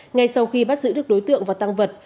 ngay sau khi bắt giữ được đối tượng và tăng vật